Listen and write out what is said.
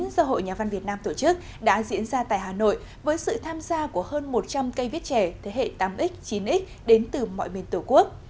do hội nhà văn việt nam tổ chức đã diễn ra tại hà nội với sự tham gia của hơn một trăm linh cây viết trẻ thế hệ tám x chín x đến từ mọi miền tổ quốc